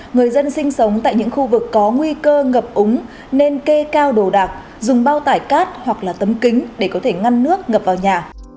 người dân sinh sống tại những khu vực có nguy cơ ngập úng nên kê cao đồ đạc dùng bao tải cát hoặc là tấm kính để có thể ngăn nước ngập vào nhà